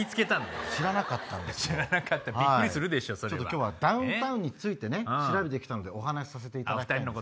今日はダウンタウンについて調べて来たんでお話しさせていただきます。